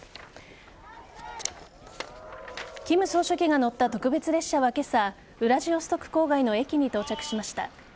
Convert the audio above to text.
金総書記が乗った特別列車は今朝ウラジオストク郊外の駅に到着しました。